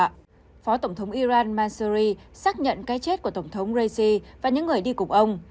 phó tổng thống iran massiri xác nhận cái chết của tổng thống raisi và những người đi cùng ông